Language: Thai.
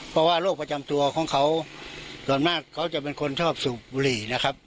เพราะว่าโรคประจำตัวของเขาส่วนมากเขาจะเป็นคนชอบสูบบุหรี่นะครับ